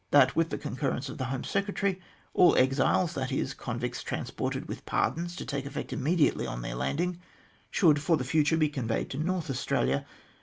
That, with the concurrence of the Home Secretary, all exiles that is, convicts transported with pardons to take effect immediately on their landing should, for the future, be conveyed to North Australia.